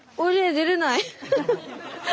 出れない！